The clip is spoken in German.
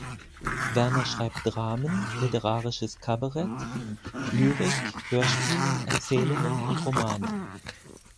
Werner schreibt Dramen, literarisches Kabarett, Lyrik, Hörspiele, Erzählungen und Romane.